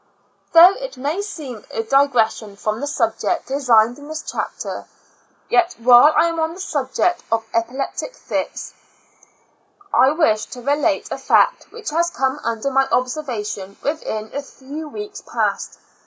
Though it may seem a digression from the subject designed in this chapter, yet, while I am on the subject of epileptic fits, I wish to relate a fact which has come under my observation within a few weeks past.